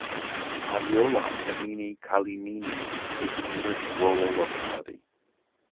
Posyolok imeni Kalinina is the nearest rural locality.